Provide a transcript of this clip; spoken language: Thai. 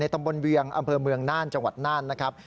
ตำบลเวียงอำเภอเมืองน่านจังหวัดน่านนะครับ